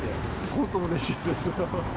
本当うれしいです。